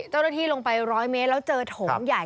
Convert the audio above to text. เจ้าหน้าที่ลงไป๑๐๐เมตรแล้วเจอโถงใหญ่